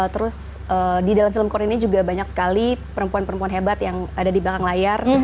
terus di dalam film core ini juga banyak sekali perempuan perempuan hebat yang ada di belakang layar